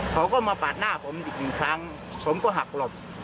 เขาก็มาปาดหน้าผมอีกหนึ่งครั้งผมก็หักหลบ